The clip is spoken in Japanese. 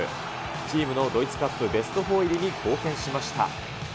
チームのドイツカップベストフォー入りに貢献しました。